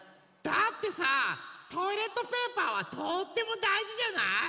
だってさトイレットペーパーはとってもだいじじゃない？